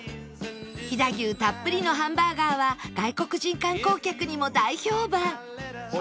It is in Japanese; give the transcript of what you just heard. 飛騨牛たっぷりのハンバーガーは外国人観光客にも大評判！